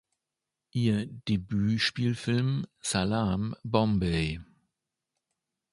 Ihr Debüt-Spielfilm "Salaam Bombay!